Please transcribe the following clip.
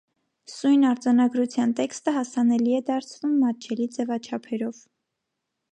Սույն արձանագրության տեքստը հասանելի է դարձվում մատչելի ձևաչափերով։